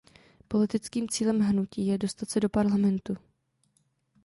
Politickým cílem hnutí je dostat se do parlamentu.